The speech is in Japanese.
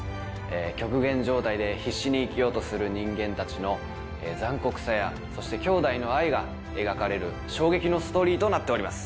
極限状態で必死に生きようとする人間たちの残酷さやそして兄弟の愛が描かれる衝撃のストーリーとなっております。